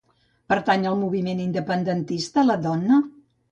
Pertany al moviment independentista la Donna?